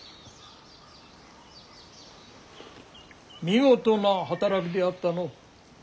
見事な働きであったの。